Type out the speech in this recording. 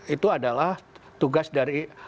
itu adalah tugas dari